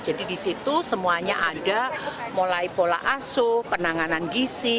jadi di situ semuanya ada mulai pola aso penanganan gisi